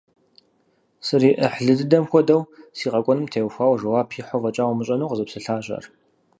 СриӀыхьлы дыдэм хуэдэу, си къэкӀуэнум теухуауэ жэуап ихьу фӀэкӀа умыщӀэну къызэпсэлъащ ар.